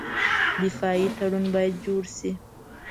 دفاعي تړون باید جوړ شي.